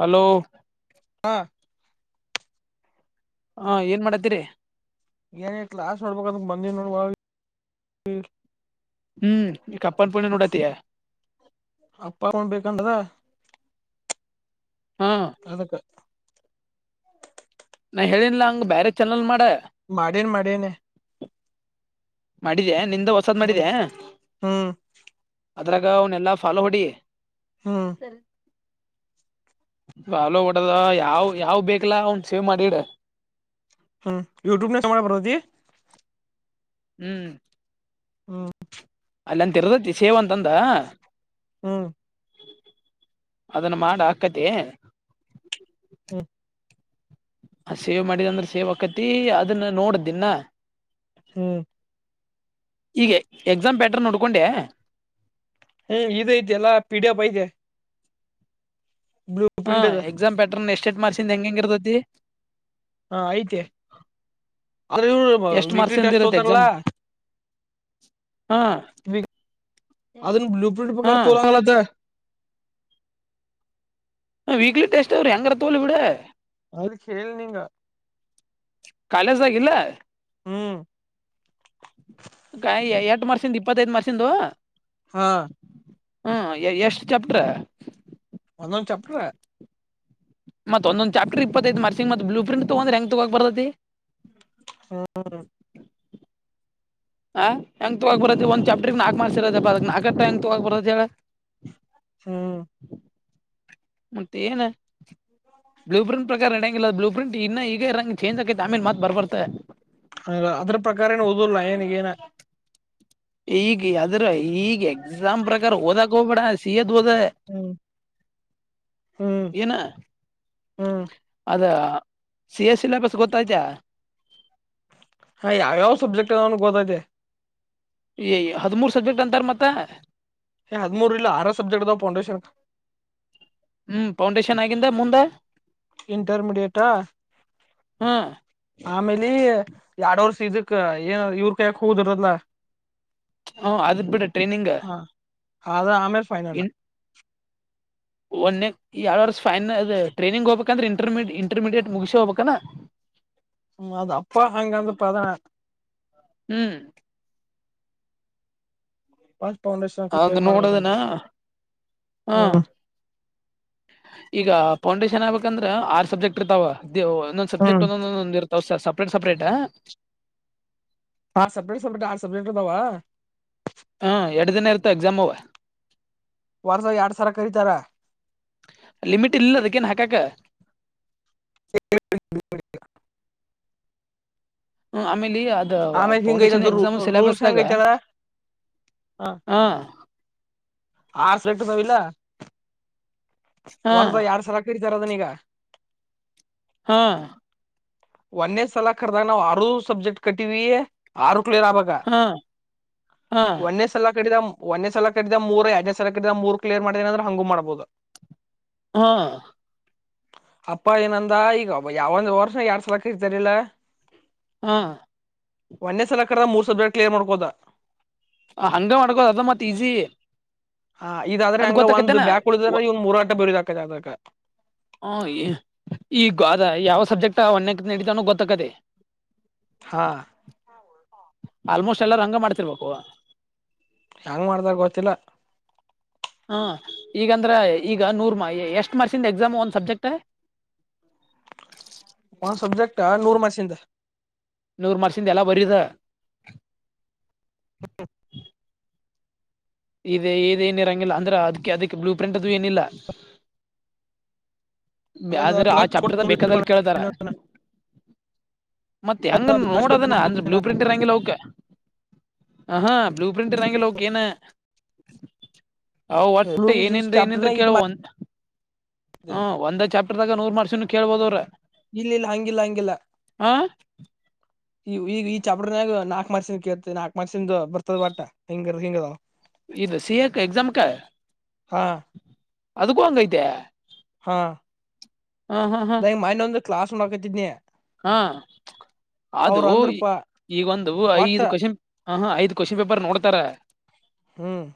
Hello ಹಾ ಹಾ ಏನ್ ಮಾಡತೀರಿ ನ ಕ್ಲಾಸ್ ಮಾಡಡ್ಬೇಕಂದ ಬಂದಿ ನೋಡ್ ಹ್ಮ್ ಈ ಕಪ್ಪನ್ಪುಣ ನೋಡತ ಅಪ್ಪ ಅಕೊಂಡ್ ಬೇಕಂತದ ಹಾ ಅದಕ್ಕೆ ಹ ಬೇ ಚೆನಲ್ ಮಾಡ ಮಾಡನ್ ಮಾಡನ ಮಾಡಿದೆ ನಿಂದ ಹೊಸದ್ ಮಾಡಿದೆ ಹ್ಮ್ ಅದ್ರಾಗ ಅವನ ಎಲ್ಲಾ ಫಾಲೋ ಹೊಡಿ ಹ್ಮ [inaudible] ಬಾವಲ ಹೊಡದ ಯಾವ್ ಯಾವ ಬೇಕಿಲ್ಲಾ ಅವನ್ ಸೇವ್ ಮಾಡಿಡ ಹ್ಮ್ ಯೂಟ್ಯೂಬ್ ನ ಮಾಡ ಬರ್ತಿ ಹ್ಮ್ ಹ್ಮ ಅಲ್ಲ ಅಂತರ್ದತಿ ಸೇವ್ ಅಂತಂದ ಹ್ಮ್ ಅದನ್ನ ಮಾಡ ಹಾಕದ ಹ್ಮ್ ಆ ಸೇವ್ ಮಾಡಿದ ಅಂದ್ರ ಸೇವ್ ಆಕತಿ ಅದನ್ನ ನೋಡದ್ದನ್ಾ ಹ್ಮ್ ಈಗ ಎಕ್ಸಾಮ್ ಪ್ಯಾಟರ್ ನೋಡ್ಕೊಂಡೆ ಹ್ಮ ಇದೈಐತೆ ಎಲ್ಲಾ ಪೀಡಿಯ ಬ ತೆ ಹಾ ಅದ ಎಕ್ಸಾಮ್ ಪ್ಯಾಟ್ರನ್ ಎಷ್ಟ ಎಷ್ಟಟ್ ಮಾರ್ಸಿಂದ ಹೆಂಗ ಹೆಂಗ ಇರ್ತತಿ ಹಾ ಐತೆ ಅ್ರ ಇವರು ಎಷ್ಟ್ ವೀಕ್ಲಿ ಮಾರ್ಕ್ಸಿಂದ ಟೆಸ್ಟ್ ಇರತ್ತೆ ಹತಾರಲ್ಲ ಎಕ್ಸಾಮ್ ಹಾ ಅದ್ ಬ್ಲೂಪ್ರಿಂಟ್ ಹಾ ಪ್ರಕಾರ ತೋಲಾಗಲತ ಹಾ ವೀಕ್ಲಿ ಟೆಸ್ ಯಂಗ್ರ ತೋಳ ಬಿಡ ಅದ ಕೇಳ ನಿಂಗ ಕಾಲಜಾಗಿ ಹ್ಮ್ ಕ ಎ ಮರ್ಷಿಿಂದ ಇಪ್ಪತ್ತೈಮರ್ಷಿಂದು ಹಾ ಹ್ಮ ಎಷ್ಟು ಚಪ್ಟ್ರ ಒಂದಂದು ಚಪ್ಪರ. ಮತ್ತೊಂದೊಂದು ಚಾಪ್ಟರ್ ಇಪ್ಪತ್ತೈಐತ್ರ್ಸಿಂಗತ್ ಬ್ಲೂ ಪ್ರ್ರಂಟ್ ತಗೊಂಡ್ರ ಹೆಂಗ ತಗೋ ಬರತೈತಿ. ಹ್ಮ್ ಹ ಎಂಗ ತೊಗಾಗಬ್ಬರ ಜಚಾಪ್ರಟಿಗೆ ಆ ಮಾಡಾರ ಸರ ಬ ಆತ ಎ ತೊಗಾಗಬರಾ ಹೇಳ? ಹ್ಮ್ ಮತ್ತ ಏನು? ಬ್ಲೂ ಪ್ರ್ರಿಂಟ್ ಪ್ರಕಾರ ಇರಡಂಗಿಲ್ಲ ಬ್ಲೂ ಪ್ರ್ರಂಟ್ ಇ ಈಗ ಇರಂಗ ಚೇಂಜ್ ಆಕೈ ಆಮೇಲೆತ್ ಬರ್ಬತ್ತೆ. ಹ ಅದ್ರ ಪ್ರಕಾರ ಏನು ಓದಲ್ಲಾ ಏನಿಗ ಏನ. ಈಗ ಅದ್ರ ಈಗ ಎಕ್ಸಾಮ್ ಪ್ರಕಾರ ಓದಕ್ ಹೋಗ್ಬೇಡ ಸಿ ಎತ್ ದೊದ. ಹ್ಮ್ ಹ್ಮ್ ಏನ? ಹ್ಮ್ ಅದ ಸಿ ಎಸ್ ಸಿಲೇಬಸ್ ಗೊತ್ತ್ತಾ? ಹಾ ಯಾವ್ಯಾವ ಸಬ್ಜೆಕ್ಟ್ ಅ ನನ್ಗ್ ಗೊತ್ತಾಯತೆ. ಎಯ ಹದಿಮೂರು ಸಬ್ಜೆಕ್ಟ್ ಅಂತಾರೆ ಮತ್ತ. ಹದ್ಮೂರು ಇಲ್ಲ ಆರ ಸಬ್ಜೆಕ್ಟ್ ಅದವ್ ಫೌಂಡೇಶನ್ಕ್ ಹ್ಮ್ ಫೌಂಡೇಶನ್ ಆಗಿಂದ ಮುಂದ. ಇಂಟರ್ಮಿಡಿಯಟ್ ಅ ಹ್ಮ್ ಆಮೇಲೆ ಎರಡವರ್ಷ ಇದಕ್ ಏನ ಇವ್ರ ಕಾಯ್ಯಕ್ ಹೋದರಲ್ಲ. ಹ ಅದ್ ಬಿಡ ಟ್ರೈನಿಂಗ್ ಇನ್ ಹಾ ಅದು ಆಮೇಲೆ ಫೈನಲ್. ಒಂದ ಯಾವ ವರ್ಷ ಫೈನ್ ಟ್ರೈನಿಂಗ್ ಹೋಗ್ಬೇಕಂದ್ರೆ? ಇಂಟರ್ ಇಂಟರ್ಮೀಡಿಯೇಟ್ ಮುಗಸ ಹೋಗ್ಬೇಕನಾ. ಹ್ಮ ಅದು ಅಪ್ಪಾ ಅಂಗಂತಪ್ಪಾದ. ಹ್ಮ್ ಹ [unintelligible] ಅದು ನೋಡೋದನಾ ಹಾ. ಹ್ಮ್ ಈಗ ಫೌಂಡೇಶನ್ ಆಗ್ಬೇಕಂದ್ರೆ ಆರ್ ಸಬ್ಜೆಕ್ಟ್ ಇರ್ತಾವ, ಇದ ಒಂದೊಂದು ಸಬ್ಜೆಕ್ಟ್ ಹ್ಮ್ ಒಂದೊಂದಂದ ಇರ್ತಾವ ಸ ಸಪ್ರೇಟ್ ಸಪ್ರೇಟ್ತಾ. ಹ ಸ್ರೇಟ್ ಸಬ್ಕ್ ಆ ಸಬ್ಜೆಕ್ಟ್ದಾವ. ವರ್ಸಾಗ ಎರಡ್ ಸರ ಕರೀತಾರ ಲಿಮಿಟ ಇ ಇನದಿಕ ಹಾಕಾ ಕ? [unintelligible] ಹೂ ಆಮೆ ಅ ಆಮೇಲೆ ಹಿಂಗ ಫೌಂಡೇಶನ್ ಐತದ ಎಸಾಮ್ ರೂಲ್ಸ್ ಹೆಂಗ ಸಿಲೆಬಸ್ಗ ಐತದ ಹ. ಆರ್ ಸಲ ಇಟ್ಟತಾವಿಲ್ಲ ಹಾ ಹೊರ್ದ ಎರಡ್ ಸಲ ಕ ರದನಿಗಾ ಹಾ ಒಂದೇ ಸಲ ಕರೆದಾಗ ನಾವವು ಆರು ಸಬ್ಜೆಕ್ಟ್ ಕಟ್ಟಿವವಿ ಆರು ಕ್ಲಿಯರ್ ಆಬಾಗ ಹಾ ಹಾ ಒನ್ನೇ ಸಲ ಕಡಿದ ಒಂದನೇ ಸಲ ಕಟ್ಟಿದ ಮೂರ ಎರದನೇ ಸಲ ಕಟ್ಟಿದ ಮೂರ್ ಕ್ಲಿಯರ್ ಮಾಡ್ತೇನ ಅಂದ್ರೆ ಹಂಗೂ ಮಾಡ್ಬೋದು. ಹಾ ಅಪ್ಪಾ ಏನಂದ ಈಗ ಯಾವ ಒಂದ ವರ್ಷ ಎರಡ್ ಸಲಕ ಇದತಾರಿಲ್ಲ. ಆ ಒಂದೇ ಸಲ ಕಡ್ರ ಮೂರ್ ಸಬ್ಜೆಕ್ಟ್ ಕ್ಲಿಯರ್ ಮಾಡ್ಬೋದ? ಅ ಹಂಗ ಮಾಡ್ಕೋದ ಅದ ಮತ್ ಈಜಿ. ಆ ಇದಾದ್ರೆ ಹೆಂಗೆ ಒಂದ್ ಬ್ಯಾಕ್ ಉಳಿದರೆ ಇವು ಮೂರಟ ಬರದಕ ಆಬೇಕ. ಹ ಈ ಈಗ ಅದ ಯಾವ ಸಬ್ಜೆಕ್ಟ್ ಒಣ ನಡಿತವನ ಗೊತ್ತಕ್ಕದೆ. ಹಾ ಆಲ್ಮೋಸ್ಟ್ ಎಲ್ಲಾರೂ ಹಂಗ ಮಾಡ್ತಿರ್ಬೇಕು. ಹೆಂಗ ಮಾಡ್ದಾರ ಗೊತ್ತಿಲ್ಲ. ಹಾ ಈಗಂದ್ರೆ ಈಗ ನೂರ್ ಮ ಎಷ್ಟ್ ಮಾರ್ಸಿಂದ ಎಕ್ಸಾಮ್ ಒಂದ್ ಸಬ್ಜೆಕ್ಟ? [inaudible] ಮಸಿಂದ. ನೂರ್ ಮಾರ್ಸಿಂದ ಎಲ್ಲ ಬರೀದ. [inaudible] ಇ ಇ ಏನಿರೋಂಗಿಲ್ಲ ಅಂದ್ರೆ ಅದಕ್ಕೆ ಅದಕ್ಕೆ ಬ್ಲೂ ಪ್ರಿಂಟ್ ಅದು ಏನಿಲ್ಲ? ಆದ್ರೆ ಆ ಚಪ್ಟರ್ದ ಬೇಕಾದಲ್ ಕೇಳಿದಾರ ಮತ್ ಹೆಂಗನ್ ನೋಡದನ ಅಂದ್ರೆ ಬ್ಲೂ ಪ್ರಿಂಟ್ ಇರಂಗಿಲ್ಲ ಅವುಕೆ. ಅ ಹಾ ಬ್ಲೂ ಪ್ರಿಂಟ್ ಇರಂಗಿಲ್ಲ ಅವುಕ್ ಏನ. ಅ ಒಟ್ಟು ಏನಂದ್ರೆ ಏನಂದ್ರೆ ಚಾಪ್ಟರ್ನಾಗ ಇಟ್ ಮಾರ್ಕ್ಸ್ ಕೇಳುವಂದ್ ಹ್ಮ್ ಒಂದೇ ಚಾಪ್ಟರ್ದಾಗ ನೂರ್ ಮಾರ್ಸನ್ನು ಕೇಳ್ಬೌದ್ ಇವ್ರೆ. ಇಲ್ಲಿಲ್ ಹಂಗಿಲ್ಲ ಅಂಗಿಲ್ಲ. ಇವ್ ಈ ಈ ಚಾಪ್ಟರ್ನಾಗ್ ನಾಕ್ ಮಾರ್ಕ್ಸಿಂದ್ ಕೇತರೆ ನಾಕ್ ಮಾರ್ಕ್ಸಿಂದು ಬರ್ತದ್ ಒಟ್ಟ ಹಿಂಗರ ಹಿಂಗದಾವ್ ಇದು ಸಿ. ಎ ಕ ಎಕ್ಸಾಂಕ ಹಾ ಅದುಕ್ಕೂ ಒಂದ್ ಐತೆ. ಹಾಂ ಹಾ ದ ಮಾಡ್ನೊಂದು ಕ್ಲಾಸ್ ನು ನೋಡ್ಕೊತಿದ್ನೆ ಆ ಅದು ಈ ಒಂದು ಒಟ್ಟ ಐದು ಕ್ವೆಶನ್ ಹಾಂ ಹಾಂ ಐದ್ ಕ್ವಶನ್ ಪೇಪರ್ ನೋಡ್ತಾರೆ ಹ್ಮ್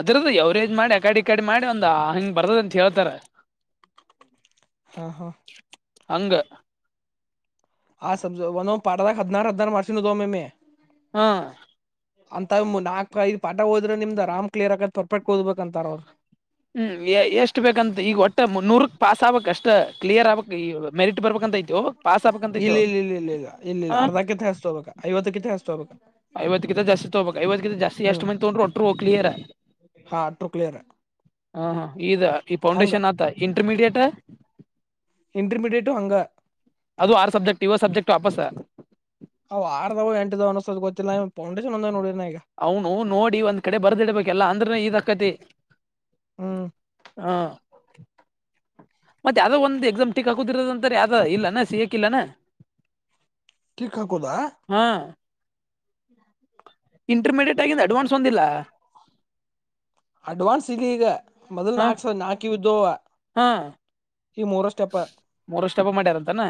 ಅದುರ್ದೆ ಯಾವ್ರೇಜ್ ಮಾಡಿ ಅಕಡ್ ಈಕಡ್ ಮಾಡಿ ಒಂದ ಹಿಂಗ್ ಬರ್ತದ್ ಅಂತ್ ಹೇಳ್ತಾರ. ಹಾಂ ಹಾಂ ಅಂಗ ಹಾ ಸಬ್ಜೋ ಒನೊ ಪಾಟ್ದಾಗ್ ಹದ್ನಾರ್ ಹದ್ನಾರ್ [unintelligible] ಆ ಅಂತವ್ ಮು ನಾಕೈದ್ ಪಾಠ ಹೋದ್ರೆ ನಿಮ್ದ ಆರಾಂ ಕ್ಲಿಯರ್ ಆಗತ್ ಪರ್ಪೆಕ್ಟ್ ಓದ್ಬೇಕಂತಾರ ಅವರು. ಹ್ಮ್ ಎ ಎಷ್ಟ್ ಬೇಕಂತೆ ಈಗ ಒಟ್ಟೆ ಮುನ್ನೂರುಕ್ ಪಾಸ್ ಆಗ್ಬೇಕಷ್ಟೆ ಕ್ಲಿಯರ್ ಆಬೇಕ್ ಈ ಮೆರಿಟ್ ಬರ್ಬೇಕಂತ ಇದ್ಯೋ ಪಾಸ್ ಆಬೇಕಂತೈತೋ ಇಲ್ಲ ಇಲ್ಲ ಇಲ್ಲ ಇಲ್ಲ ಇಲ್ಲ ಇಲ್ಲ ಇಲ್ಲ ಹ ಅರ್ಧಕ್ಕಿಂತ ಹೆಚ್ಚ್ ತಗೋಬೇಕ ಐವತ್ತಕ್ಕಿಂತ ಹೆಚ್ಚ್ ತಗೋಬೇಕ ಐವತ್ಕಿಂತ ಜಾಸ್ತಿ ತಗೋಬೇಕ್ ಐವತಕ್ಕಿಂತ ಜಾಸ್ತಿ ಹ್ಮ್ ಎಷ್ಟು ಮಂದಿ ತಗೊಂಡ್ರು ಒಟ್ಟರು ಕ್ಲಿಯರ ಒಟ್ರು ಕ್ಲಿಯರ. ಹಾ ಹಾ ಇದ ಈ ಫೌಂಡೇಶನ್ ಆತಾ ಇಂಟರ್ಮೀಡಿಯೇಟ? ಇಂಟರ್ಮೀಡಿಯೇಟು ಹಂಗ. ಅದು ಆರು ಸಬ್ಜೆಕ್ಟ್ ಯೋಳ್ ಸಬ್ಜೆಕ್ಟ ವಾಪಸ್ಸ ಅವ್ ಆರ್ದಾವೋ ಎಂಟ್ ಅದಾವೊ ಅನ್ನಸ್ಟೊತಲ್ ಗೊತ್ತಿಲ್ಲ ಇವ್ ಪೌಂಡೇಶನ್ ಒಂದ ನೋಡಿ ಅವನು ನೋಡಿ ಒಂದ್ ಕಡೆ ಬರ್ದಿಡ್ಬೇಕೆಲ್ಲ ಅಂದ್ರ ಇದ್ ಅಕತಿ ಹ್ಮ್ ಹಾ ಮತ್ತೆ ಯಾವ್ದೋ ಒಂದ್ ಎಕ್ಸಾಮ್ ಟಿಕ್ ಹಾಕುದಿರೋದ ಅಂತಾರೆ ಹೋದ ಇಲ್ಲೇನ ಸಿಗಕಿಲ್ಲೆನ? ಟಿಕ್ ಹಾಕೋದ? [inaudible] ಇಂಟರ್ಮಿಡಿಯೇಟ್ ಆಗಿದೆ ಅಡ್ವಾನ್ಸ್ ಒಂದಿಲ್ಲ. ಅಡ್ವಾನ್ಸ್ ಈಗ್ ಈಗ ಮೊದಲ್ ಹಾ ನಾಕ್ ಸಾ ನಾಕ ಇದ್ದವ ಈ ಮೂರ ಸ್ಟೆಪ್ ಮೂರುಷ್ಟಪ ಮಾಡ್ಯಾರಂತಾನ?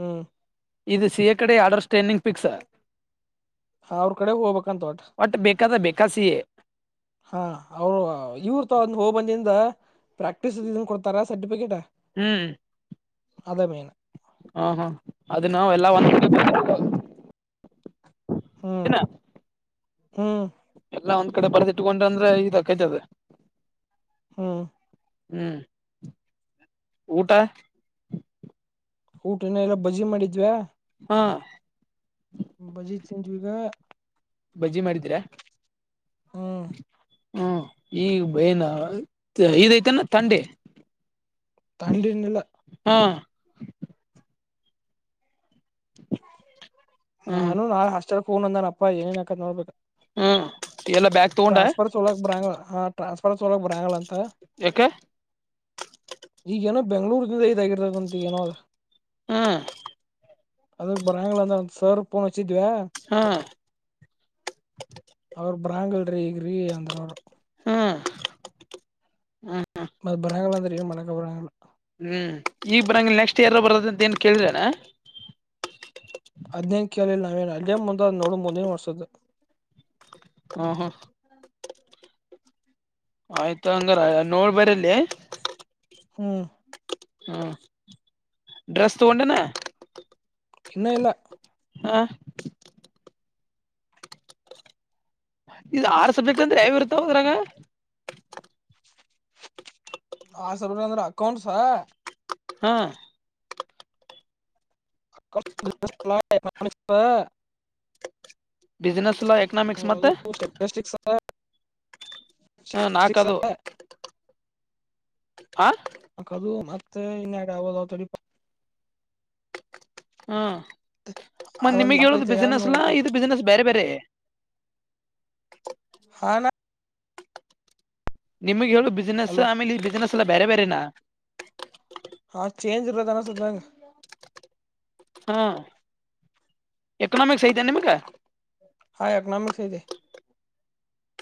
ಹ್ಮ್ ಇದು ಸಿ. ಎ ಕಡೆ ಆರ್ಡರ್ ಸ್ಟೇನಿಂಗ್ ಫಿಕ್ಸ ಅವ್ರ ಕಡೆ ಹೋಗ್ಬೇಕಂತೆ ಅವತ ಒಟ್ ಬೇಕಾದ ಬೇಕಾ ಸಿ ಎ ಸ ಅವ್ ಇವ್ರ್ ತವ್ ಹೋಗ್ ಬಂದ್ ಏನ ಪ್ರಾಕ್ಟೀಸ್, ಇದನ್, ಕೊಡ್ತಾರಾ, ಸರ್ಟಿಫಿಕೇಟ್. [inaudible] ಹ್ಮ್. [inaudible] ಅದೆ ಮೇನ್ ಹಾಂ ಹಾಂ ಅದ ನಾವ ಎಲ್ಲಾ ಒಂದ್ ಕಡೆ ಹ್ಮ್ [unintelligible] [unintelligible] ಹ್ಮ್ ಎಲ್ಲಾ ಒಂದ್ ಕಡೆ ಬರ್ದಿಟ್ಕೊಂಡಂದ್ರೆ [unintelligible] ಹ್ಮ್ ಹ್ಮ್ ಊಟ? ಊಟನೆ ಇಲ್ಲ ಬಜ್ಜಿ ಮಾಡಿದ್ವ ಹಾ. [inaudible] ಬಜ್ಜಿ, ತಿಂಧುವೀವಗ. [inaudible] ಬಜ್ಜಿ, ಮಾಡಿದ್ದೀರಾ, ಹ್ಮ್ ಹೋ. [inaudible] ಈಗು, ಬೈನಾ, ಇದೈತಾನ, ತಂದೆ. [inaudible] ತಂಡ್ಹುಯಿರುಇಲ್ಲಾ. [inaudible] [inaudible] [unintelligible] ಹ್ಮ್ ನಾನು, ನಾ, ಹಾಸ್ಟೆಲೊಗನ್ನಪ್ಪ, ಏನುಎನೋಕಥೆ, ನೋಡ್ಬೇಕು. [inaudible] ಹೂ. [unintelligible] ಟ್ರಾನ್ಸ್ಫರ್, ತಾಕೊಲೊಕ್ಬರಲ್ಲ, ಆ. [inaudible] ಟ್ರಾನ್ಸ್ಫರ್, ತರೋಕ್ಕೇಬಾರಲ್ಲಾ, ಅಂತ, ಯಾಕ ಈಗ ಏನೋ, ಬೆಂಗಳೂರ್, ಇದಾಗಿ. [inaudible] ಈಗಬಂತು, ನೋಡು, ಏನು, ಅ, ಹ್ಮ್ ಅದಕ್ಕೆ, ಬರೋದು, ಹತ್ತುಸಾವಿರ, ರೂಪಾಯಿ. [inaudible] ತಿಧವಾ. [inaudible] [inaudible] [unintelligible] ಅವ್ರ, ಬಾರಂಗುಇಲೂರಿ, ಈಗ್ರೀ, ಅಂದ್ರಿ, ಅವರು. [inaudible] ಹಾ, ಹ. [unintelligible] ಮತ್ತು, ಬರೋಂಗು, ಹೇಳಿಕೆಒಗುಬೇಡಿಯವನ್ನ. [inaudible] ಹ್ಮ್, ಈಗ ಬರಂಗ, ಇಲ್ಲ, ನೆಕ್ಸ್ಟ್, ಇಯರ್, ಬರದು, ಅಂತ ಏನ್ ಕೇಳ್ರನಾ. [unintelligible] ಅಗೈನ್, ಮುನ್ಧೆಯೋಗಿನೋಡು, ಮುಂದಿನ, ವರ್ಷದು. [inaudible] ಹ್ಮ ಹ್ಮ [inaudible] [unintelligible] ಆಯ್ತು, ಹಂಗಾರ, ನೋಡುಬೇಡೇಲ್ಲಿ. [unintelligible] ಹ್ಮ. [inaudible] ಹ್ಮ, ಡ್ರೆಸ್ ತಗೊಂಡೆ, ಏನು. [unintelligible] ಇನ್ನೂ, ಇಲ್ಲ. [inaudible] ಹಾ. [unintelligible] ಇದು, ಆರುಸ, ಬೇಕಂದ್ರೆ! ಐರ್ತ ಹೋದ್ರಾಗ. [inaudible] ಆ, ಸ್ಯಾಬಿನಲೂ, ಅಂದ್ರ ಅಕೌಂಟ್ಸಾ. [inaudible] ಹಾ.. [unintelligible] [unintelligible] [inaudible] ಬಸ್ಸಿನೆಸ್ಸೆಲ್ಲಾ, ಎಕನಾಮಿಕ್ಸ್ ಮತ್ತೆ? [unintelligible] ಸ್ಟೆಟಿಸ್ಟಿಕ್ಸ್ ಹ್ಮ, ಸ್ಟೆಟಿಸ್ಟಿಕ್ಸ್ ನಾಕದು. [unintelligible] ಹಾ. [inaudible] ಆಕದು, ಮತ್ತೆ, ಇನು, ಯಕಗಲ್ಲತಡಿಯಪ್ಪ. [inaudible] ಹ್ಮ, ಮತ್ತ ಅದೊಂದ್ ನಿಮಗ್ ಯಾಪ್ ಹೇಳುದು ಐತೆ ಯಾವ್ದ್ ಬಿಸ್ನೆಸ್ಲ್ಲಾ! ನೋಡಪ್ಪ ಇದು ಬಿಸ್ನೆಸ್, ಬೇರೆ, ಬೇರೆ. [unintelligible] [unintelligible] [inaudible] ಹಾನ. [inaudible] ನಿಮಗೆ, ಹೇಳು, ಬಿಸ್ನೆಸ್, ಹಲೋ ಎಲ್ಲಾ, ಆಮೇಲೆ ಈ ಬಿಸ್ನೆಸ್, ಎಲ್ಲ, ಬೇರೆ, ಬೇರೆನಾ! [unintelligible] ಹಾ, ಚೇಂಜ್, ಇರೋದಕ್ಕೆ, ಇಲ್ಲಾ, ಅನಿಸುತ್ತೆ, ನನ್ಗೆ. [unintelligible] ಹು, ಎಕನಾಮಿಕ್ಸ್, ಆಯ್ತಾ, ನಿಮಗೆ? [unintelligible] ಹಾ, ಎಕನೋಮಿಸ್, ಐತೆ. [inaudible]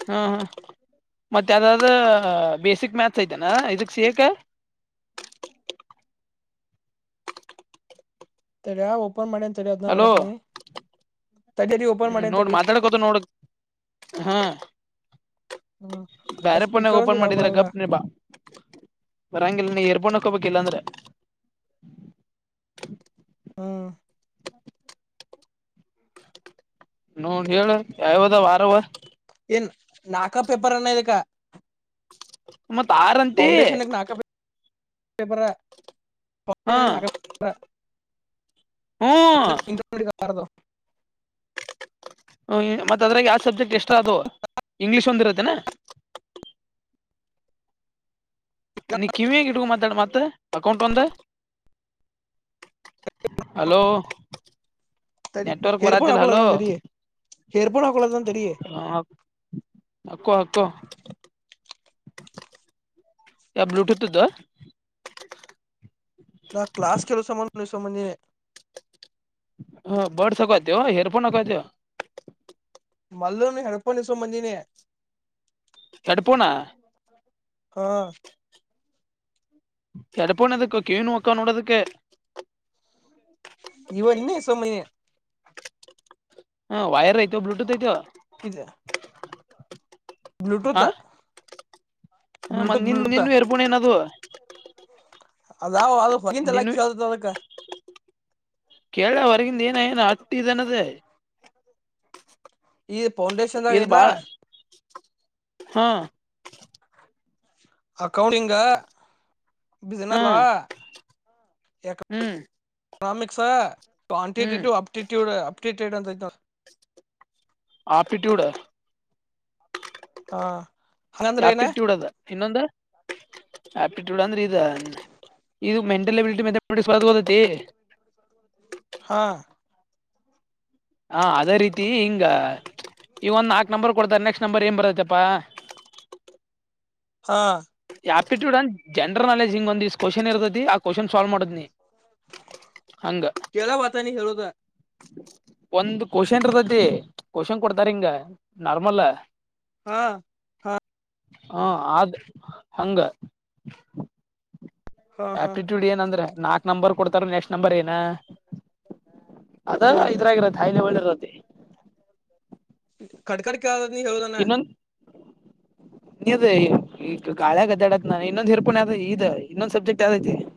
ಹಾ ಹಾ ಮತ್ತ ಅದಾದ ಬೇಸಿಕ್ ಮ್ಯಾಥ್ಸ್ ಐತೆನಾ ಇದಕ್ ಸೇೇಕ ಹ್ಮ್ ತಡಿ, ಓಪನ್ ಮಾಡಿನಿ, ತಡಿ, ಅದನ್ನ, ಹಲೋ ನೋಡ್ತೀನಿ. [unintelligible] ಹ್ಮ್, ನೋಡ್, ಮಾತ್ಯಾಡಿಕರುತಿವಿ, ನೋಡು, ಹಾ. [inaudible] ಹ್ಮ್ ಆ ಬ್ಯರೆ, ಪುಣೆ, ಸ್ಪೀಕರ್ ಒಂದ್ ಓಪನ್ ಇಡಾಕ್ ಮಾಡಿದರೆ, ಬರಲ್ಲ ಕಂಪೆನಿಬಾ. [unintelligible] ಬರಂಗಿಲ್ಲ, ನೀ, ಏರ್ಪೋನ್, ಅಕೋಬೇಕುಯೆಲ್ಲಾಂದ್ರೆ. [unintelligible] ಹ್ಮ್.. [inaudible] ನೋಡಿಹೇಳು, ಯಾವದೂ, ವಾರವ. [unintelligible] ಏನ್, ನಾಕ, ಪೇಪರ್, ಅನ್ನೋದಕ್ಕೆ. [unintelligible] ಮತ್, ಆರಂತಿ. [unintelligible] ಪೇಪರು, ಹಾ ಫರ್ಸ್ಟೆಂಧ, ನಾಲಕ್ಕು, ಪೇಪರು. [unintelligible] ಹ್ಮ್ ಅಂಟಡಿಾರದ ಹ ಮತ್ತತ್ ಅದ್ರಾಗ ಯಾವ್ ಸಬ್ಜೆಕ್ಟ್ ಎಷ್ಟ ಅದು ಇಂಗ್ಲೀಷ್ ಒಂದ್ಿರತ್ತೇನೆ ನೀ ಕಿವಿಯಗ ಇಟ್ಕ ಮಾತಾಡು ಮತ್ತೆ ಅಕೌಂಟ್ ಒಂದ ಹಲೋ ತರಿ ನೆಟ್ವರ್ಕ್ ಹರ್ಪಡ ಬರತಿಲ್ಲ ಹಲೋ ಆಕೋಲದ ತರಿ ಹೇರ್ಪೋನ ಹಕಲದ ತರ ಹಕ್ಕೋ ಹಕ್ಕ ಇ ಬ್ಲೂಟಥದ ನಾ ಕ್ಲಾಸ್ ಕೆಲವು ಸಮಬಧ ಸಂಬಂಧೇ ಹ ಬರ್ಡ್ಸ್ ಹಕವತ ಹೇರ್ಫೋನ್ ಹಕತ ಮಲ್ಲನು ಹಣಪನಿಸು ಮಜಿನ ತಡುಪಣ ಹಾ ಎಡಪಣದಕ್ಕ ಕವನು ಹಕ್ಕ ನೋಡದುಕ್ಕೆ ಇವ ನಿನ್ನೆ ಇಸ್ಕೊಂಡ್ ಬಂದೀನಿ ಹ ವೈರ್ಐತವ ಬ್ಲೂಟೂತ್ ಐತವ ಇದು ಬ್ಲೂಟೂತ್ ಹ ಮ ಬ್ಲೂಟೂತ್ ನಿನ್ ಬ್ಲೂಟೂತ್ ನಿನು ಎರ್ಬೋಣ ಏನದು ರಾವಂತಲ್ಲ ನಿನ್ ಕೇಳ ಅದಕ್ಕೆ ಕೇಳ ಹೊರಗಿಂದ ಏನ ಏನ ಹಟ್ಟ ಇದನದೇ ಈ ಫೌಂಡೇಶನ್ದಾಗ ಇದ್ ಇಲ್ಲ ಬಾಳ ಹಾ ಅಕೌನಿಂಗ ಹಾ business law A hmm economics hmm quantitative aptitude aptitude ಅಂತತ ಆಪಿಟ್ಯೂಡ್ ಹಾ ಹಾಗಂಗಂದ್ರೆ ಏನ ಇನ್ನೊಂದು ಆಪ್ಟಿಟ್ಯೂಡ್ ಅಂದ್ರೆ ಇದ ಇದು ಮೆಂಟಲ್ ಅಬಿಲಿಟಿ ಮ ಮಾಡ ಸ್ ಗಓದೈತಿ ಹಾ ಹಾ ಅದೇ ರೀತಿ ಹಿಂಗ ಈ ಒಂದ್ ನಾಕ್ ನಂಬರ್ ಕೊಡ್ತಾರೆ ನೆಕ್ಸ್ಟ್ ನಂಬರ್ ಏನ್ ಬರತ್ತಪ್ಪಾ ಹಾ ಆಪ್ಟಿಟ್ಯೂಡ್ ಅಂಡ್ ಜನರಲ್ ನಾಲೆಜ್ಿಂಗ್ ಒಂದ್ಸ್ ಕ್ವೆಶ್ನ್ ಇರ್ತತಿ ಆ ಕ್ವಶನ್ ಸಾಲ್್ ಮಾಡದ್ ನೀಿ ಕೆೇಳ ವತ ನೀ ಹೇಳೇಳೋದ ಒಂದ ಕಶನ್ ಇರ್ತತಿ ಕಶನ್ ಕೊಡ್ತಾರ್ ಹಿಂಗ ನಾರ್ಮಲ್ ಹಾ ಹ ಆದದ್ ಹಂಗ ಹಾ ಹಾ ಆಪ್ಟಿಟ್ಯೂಡ್ ಏನಂದ್ರೆ ನಾಕ್ ನಂಬರ್ ಕೊಡ್ತಾರ ನೆಕ್ಸ್ಟ್ ನಂಬರ್ ಏನ ಅದ ಹ್ಮ್ ಹ್ಮ್ ಇದ್ರಾಗಿರತ್ತೆ ಹಾಯಿಲೆ ಒಳ್ಳೆರತ್ತ ಖಡ್ಖಡ್ಕದ್ ನೀ ಹೇಳುದಾನ [inaudible] ನೀದ ಈಗ ಗಾಳಿಯಾಗ ಅಡ್ಯಾಡಾಕತೈನ್ ನಾನ ಇನ್ನೊಂದ್ ಏರ್ಪೋನ್ ಅ ಈ ಇನ್ನೊಂದ್ ಸಬ್ಜೆಕ್ಟ್ ಯಾವುದ ದೈತಿ. [inaudible]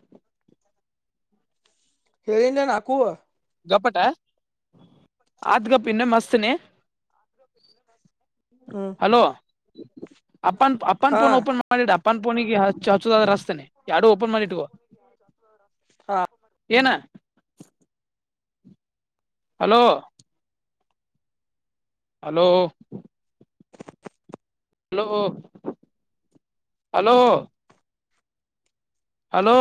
ಹೇಳನ್ ನಾಕೂುವ ಗಪ್ಪಟ ಆತ್ಕಪ್ಪ ಇನ್ನ ಮಸ್ತನ ಹ್ಮ್ ಹಲೋ ಅಫನ್ ಹಾ ಓಪನ್ ಮಾಡ ಪನ್ ಪೋನಿಗೆಚ್ಚ ಹಚ್ಚದಾದ ರಾಸ್ತೇನೆ ಯಾರಡುೂ ಓಪನ್ ಮಾಡಿಟ್ುವ ಹಾ ಏನ hello hello hello hello hello